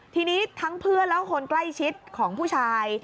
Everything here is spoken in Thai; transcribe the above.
ทีนี้ทั้งเพื่อนและคนใกล้ชิดของผู้ชาย